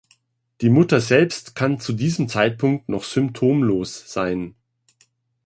Die Mutter selbst kann zu diesem Zeitpunkt noch symptomlos sein.